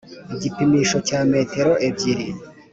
Igipimisho cya metero ebyiri